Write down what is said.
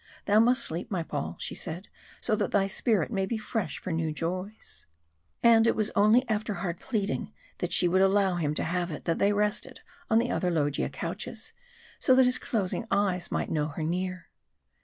"Thou must sleep, my Paul," she said, "so that thy spirit may be fresh for new joys." And it was only after hard pleading she would allow him to have it that they rested on the other loggia couches, so that his closing eyes might know her near.